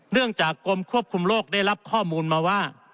เนื่องจากกรมควบคุมโลกได้รับข้อมูลมาว่า